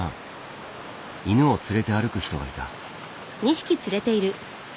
犬を連れて歩く人がいた。